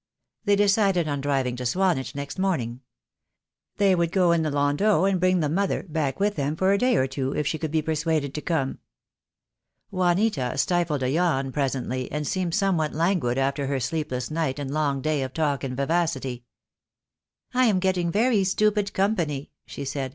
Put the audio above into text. They decided on driving to Swanage next morning. They would go in the landau, and bring "the mother" back with them for a day or two, if she could be per suaded to come. Juanita stifled a yawn presently, and seemed some what languid after her sleepless night and long day of talk and vivacity. "I am getting very stupid company," she said.